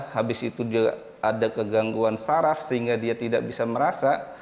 habis itu dia ada kegangguan saraf sehingga dia tidak bisa merasa